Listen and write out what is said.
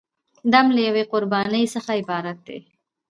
دم له یوې قربانۍ څخه عبارت دی.